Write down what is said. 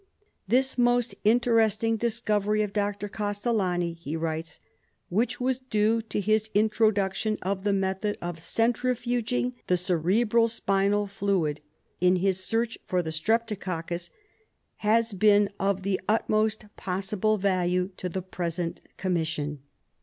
"This most interesting discovery of Dr. Castellani," he writes, "which was due to his introduction of the method of centrifuging the cerebro spinal fluid in his search for the streptococcus, has been of the utmost possible value to the present Commission.